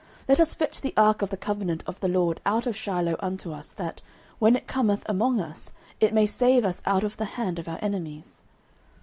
Let us fetch the ark of the covenant of the LORD out of Shiloh unto us, that, when it cometh among us, it may save us out of the hand of our enemies.